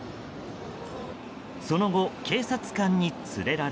その後、警察官に連れられ。